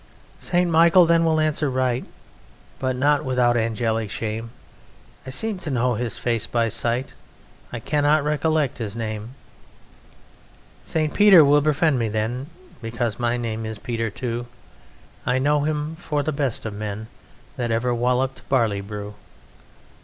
"St. Michael then will answer right (But not without angelic shame): 'I seem to know his face by sight; I cannot recollect his name....' "St. Peter will befriend me then, Because my name is Peter too; 'I know him for the best of men That ever wallopped barley brew.